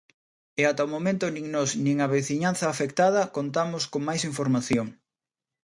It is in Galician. E ata o momento nin nós nin a veciñanza afectada contamos con máis información.